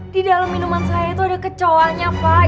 di dalam minuman saya tuh ada kecowannya pak